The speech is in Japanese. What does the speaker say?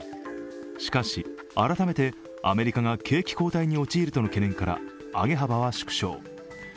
しかし、改めてアメリカが景気後退に陥るとの懸念から上げ幅は縮小。